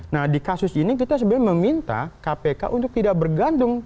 nah di kasus ini kita sebenarnya meminta kpk untuk tidak bergantung